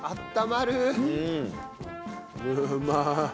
うまっ！